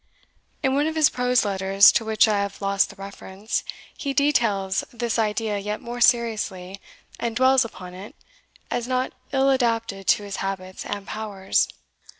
In one of his prose letters, to which I have lost the reference, he details this idea yet more seriously, and dwells upon it, as not ill adapted to his habits and powers.